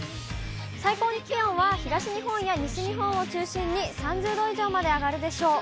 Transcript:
最高気温は、東日本や西日本を中心に３０度以上まで上がるでしょう。